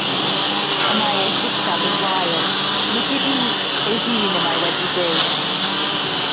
Y mae ei dillad yn wael, nid iddi ei hun y mae wedi byw.